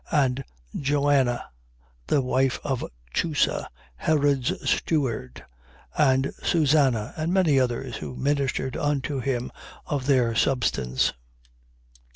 And Joanna the wife of Chusa, Herod's steward, and Susanna and many others who ministered unto him of their substance.